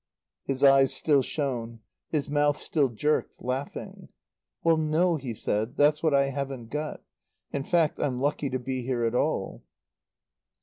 His eyes still shone; his mouth still jerked, laughing. "Well, no," he said. "That's what I haven't got. In fact, I'm lucky to be here at all."